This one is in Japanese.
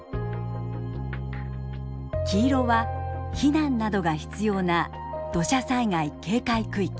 黄色は避難などが必要な土砂災害警戒区域。